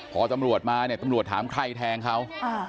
พอตำรวจมาเนี่ยตำรวจถามใครแทงเขา